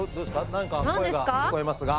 何か声が聞こえますが。